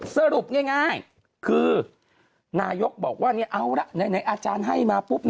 สรุปง่ายคือนายกบอกว่าเอาละไหนอาจารย์ให้มาปุ๊บ